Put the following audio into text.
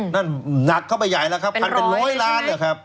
นั้นหนักเข้าไปใหญ่แล้วครับเป็นร้อยล้าน